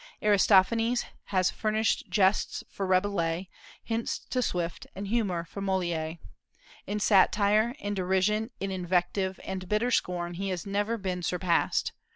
Aristophanes has furnished jests for Rabelais, hints to Swift, and humor for Molière. In satire, in derision, in invective, and bitter scorn he has never been surpassed.